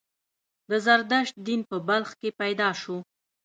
د زردشت دین په بلخ کې پیدا شو